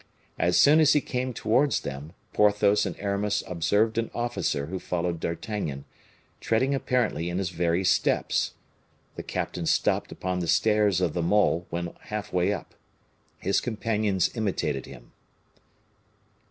As soon as he came towards them, Porthos and Aramis observed an officer who followed D'Artagnan, treading apparently in his very steps. The captain stopped upon the stairs of the mole, when half way up. His companions imitated him.